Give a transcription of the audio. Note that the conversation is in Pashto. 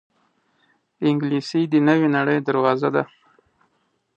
انګلیسي د نوې نړۍ دروازه ده